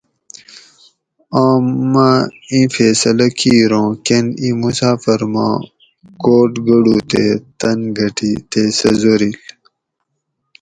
اوم اٞ اِیں فیصلہ کِیر اُوں کٞن اِیں مُسافر ما کوٹ گٞڑو تے تٞن گٞٹی تے سٞہ زورِیل